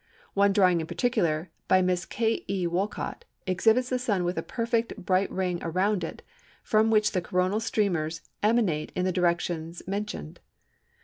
One drawing in particular, by Miss K. E. Wolcott, exhibits the Sun with a perfect bright ring round it from which the Coronal streamers emanate in the directions mentioned.